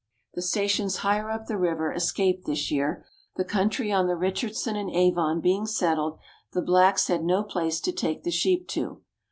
The stations higher up the river escaped this year. The country on the Richardson and Avon being settled, the blacks had no place to take the sheep to.